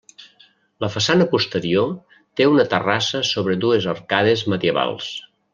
La façana posterior té una terrassa sobre dues arcades medievals.